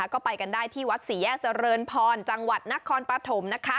ก็ไปกันได้ที่วัดศรีแยกเจริญพรจังหวัดนครปฐม